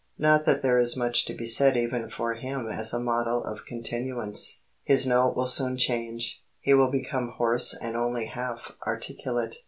Not that there is much to be said even for him as a model of continuance. His note will soon change. He will become hoarse and only half articulate.